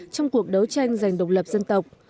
trong cuộc đấu tranh giành độc lập dân tộc